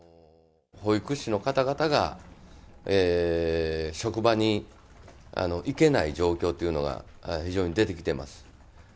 保育士の方々が、職場に行けない状況というのが、非常に出てきてます。